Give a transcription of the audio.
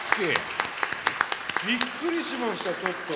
びっくりしましたちょっと。